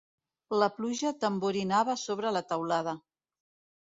La pluja tamborinava sobre la teulada.